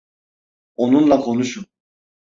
Onunla konuşun.